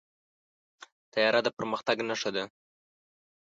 طیاره د پرمختګ نښه ده.